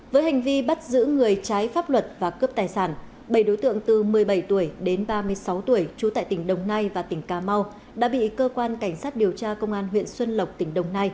với hành vi bắt giữ người trái pháp luật và cướp tài sản bảy đối tượng từ một mươi bảy tuổi đến ba mươi sáu tuổi chú tại tp hcm và tp hcm đã bị cơ quan cảnh sát điều tra công an huyện xuân lộc tp hcm